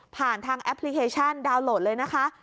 ผ่านทางแอปพลิเคชันดาวน์โหลดเลยนะคะ